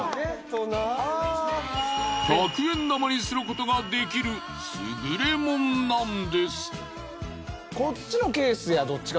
１００円玉にすることができる優れもんなんです。